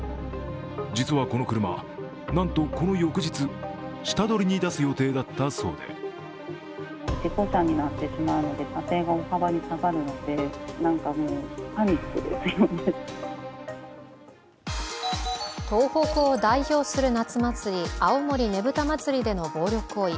実はこの車、なんとこの翌日下取りに出す予定だったそうで東北を代表する夏祭り、青森ねぶた祭での暴力行為。